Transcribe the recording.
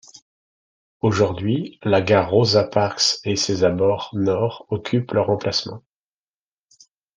Aujourd'hui, la gare Rosa Parks et ses abords nord occupent leur emplacement.